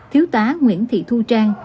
thiếu tá nguyễn thị thu trang